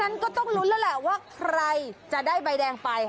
งั้นก็ต้องลุ้นแล้วแหละว่าใครจะได้ใบแดงไป